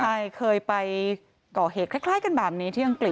ใช่เคยไปก่อเหตุคล้ายกันแบบนี้ที่อังกฤษ